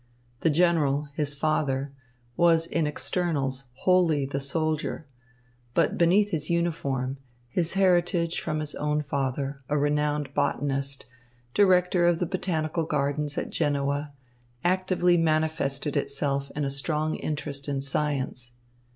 The general, his father, was in externals wholly the soldier; but beneath his uniform, his heritage from his own father, a renowned botanist, director of the botanical gardens at Genoa, actively manifested itself in a strong interest in science.